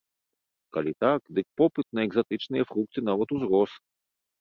Калі так, дык попыт на экзатычныя фрукты нават узрос!